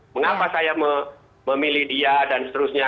mengapa saya memilih dia dan seterusnya